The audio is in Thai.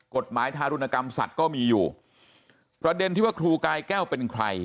กฎหมายทารุณกรรมสัตว์ก็มีอยู่ประเด็นที่ว่าครูกายแก้วเป็นใคร